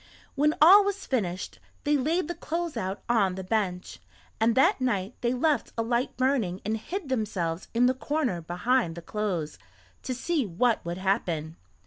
When all was finished, they laid the clothes out on the bench, and that night they left a light burning and hid themselves in the corner behind the clothes, to see what would happen.